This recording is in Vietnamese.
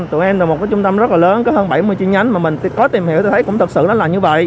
tụi em là một trung tâm rất là lớn có hơn bảy mươi chi nhánh mà mình có tìm hiểu tôi thấy cũng thật sự nó là như vậy